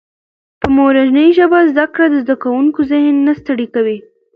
په مورنۍ ژبه زده کړه د زده کوونکي ذهن نه ستړی کوي.